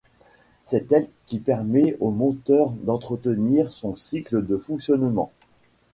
C'est elle qui permet au moteur d'entretenir son cycle de fonctionnement.